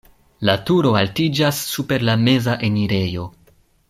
La turo altiĝas super la meza enirejo.